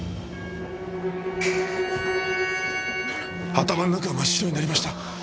頭ん中が真っ白になりました。